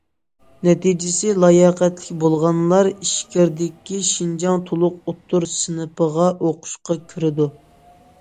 نەتىجىسى لاياقەتلىك بولغانلار ئىچكىرىدىكى شىنجاڭ تولۇق ئوتتۇرا سىنىپىغا ئوقۇشقا كىرىدۇ.